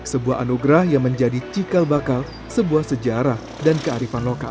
sebuah anugerah yang menjadi cikal bakal sebuah sejarah dan kearifan lokal